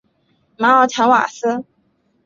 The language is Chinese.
马尔坦瓦斯。